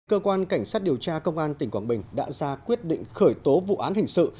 cơ quan cảnh sát điều tra công an tỉnh quảng bình đã ra quyết định khởi tố vụ án hình sự